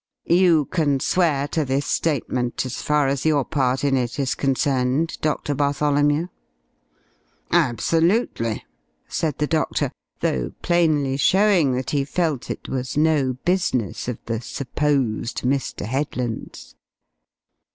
You can swear to this statement as far as your part in it is concerned, Doctor Bartholomew?" "Absolutely," said the doctor, though plainly showing that he felt it was no business of the supposed Mr. Headland's.